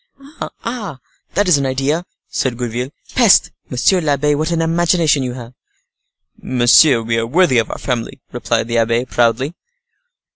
"Ah! that is an idea," said Gourville. "Peste! monsieur l'abbe, what an imagination you have!" "Monsieur, we are worthy of our family," replied the abbe, proudly.